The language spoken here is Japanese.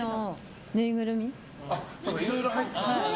いろいろ入ってたんだ。